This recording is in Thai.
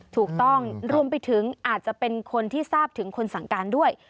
ถูกต้องรวมไปถึงอาจจะเป็นคนที่ทราบถึงคนสั่งการด้วย